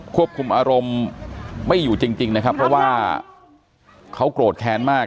ควบคุมอารมณ์ไม่อยู่จริงนะครับเพราะว่าเขาโกรธแค้นมาก